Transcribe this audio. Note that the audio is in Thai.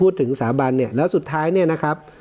สถาบันเนี่ยแล้วสุดท้ายเนี่ยนะครับ